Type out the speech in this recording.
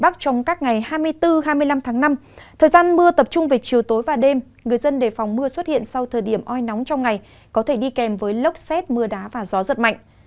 trong tập trung về chiều tối và đêm người dân đề phòng mưa xuất hiện sau thời điểm oi nóng trong ngày có thể đi kèm với lốc xét mưa đá và gió giật mạnh